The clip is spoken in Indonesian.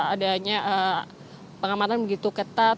adanya pengamatan begitu ketat